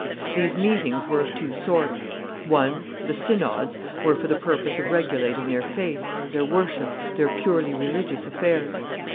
These meetings were of two sorts; one, the synods, were for the purpose of regulating their faith, their worship, their purely religious affairs.